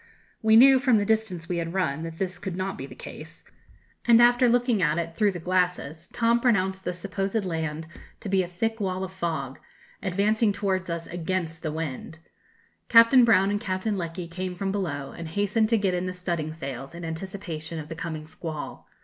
We knew, from the distance we had run, that this could not be the case, and after looking at it through the glasses, Tom pronounced the supposed land to be a thick wall of fog, advancing towards us against the wind. Captain Brown and Captain Lecky came from below, and hastened to get in the studding sails, in anticipation of the coming squall.